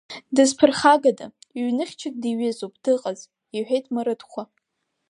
Дызԥырхагада, ҩныхьчак диҩызоуп, дыҟаз, – иҳәеит Марыҭхәа.